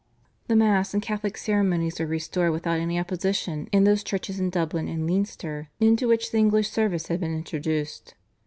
The Mass and Catholic ceremonies were restored without any opposition in those churches in Dublin and Leinster into which the English service had been introduced.